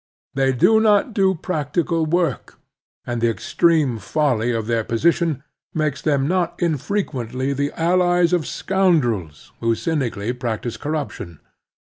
They do not do practical work, and the extreme folly of their position makes them not infrequently the allies of scoundrels who cynically practise cor ruption.